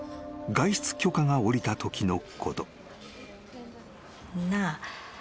外出許可が下りたときのこと］